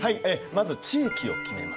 まず地域を決めます。